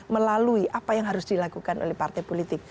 melalui apa yang harus dilakukan oleh partai politik